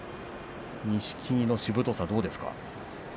錦木のしぶとさ、どうですか？